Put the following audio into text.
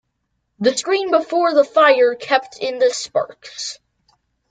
The screen before the fire kept in the sparks.